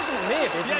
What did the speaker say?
別に。